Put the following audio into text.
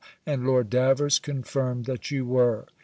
And Lord Davers confirmed that you were.